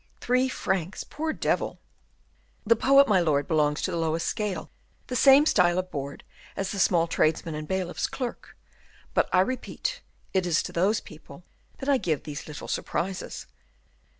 "Three francs poor devil!" "The poet, my lord, belongs to the lowest scale, the same style of board as the small tradesman and bailiff's clerk; but I repeat, it is to those people that I give these little surprises."